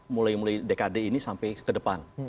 mulai mulai dekade ini sampai ke depan